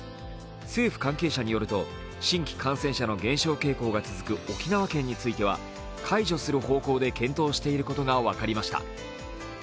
政府関係者によると、新規感染者の減少傾向が続く沖縄県については、解除する方向で検討していることが分かりました。